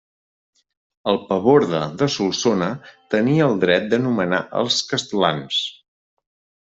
El paborde de Solsona tenia el dret de nomenar els castlans.